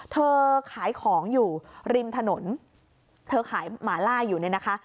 เธอขายของอยู่ริมถนนเธอขายหมาล่าอยู่เนี่ยนะคะ